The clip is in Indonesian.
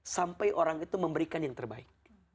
sampai orang itu memberikan yang terbaik